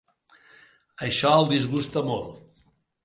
Això el disgusta molt.